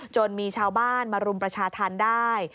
จนมีชาวบ้านมารุมประชาธรรมได้